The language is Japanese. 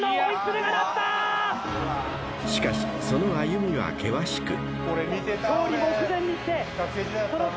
［しかしその歩みは険しく］